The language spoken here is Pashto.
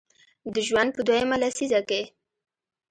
د ژوند په دویمه لسیزه کې